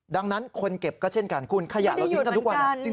ดังนั้นคนเก็บก็เช่นกันคุณขยะเราทิ้งกันทุกวัน